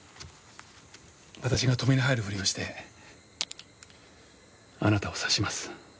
私が止めに入るふりをしてあなたを刺します。